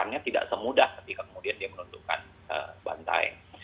barangkali tidak semudah ketika kemudian dia menundukkan bantaeng